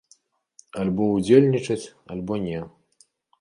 Альбо ўдзельнічаць, альбо не.